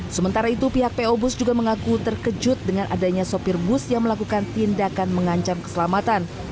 sementara itu pihak po bus juga mengaku terkejut dengan adanya sopir bus yang melakukan tindakan mengancam keselamatan